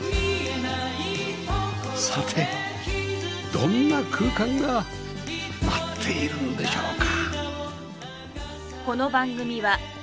さてどんな空間が待っているのでしょうか？